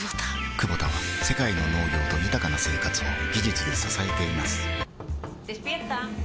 クボタは世界の農業と豊かな生活を技術で支えています起きて。